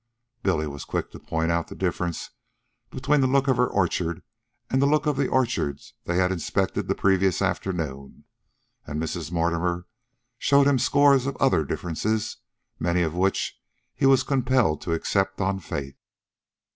Billy was quick to point out the difference between the look of her orchard and the look of the orchard they had inspected the previous afternoon, and Mrs. Mortimer showed him scores of other differences, many of which he was compelled to accept on faith.